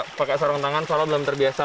kalau pakai sarung tangan soalnya belum terbiasa